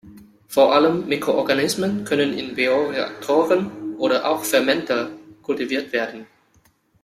Vor allem Mikroorganismen können in Bioreaktoren oder auch Fermenter kultiviert werden.